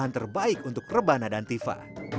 yang terbaik untuk rebana dan tifa